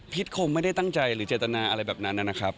คงไม่ได้ตั้งใจหรือเจตนาอะไรแบบนั้นนะครับ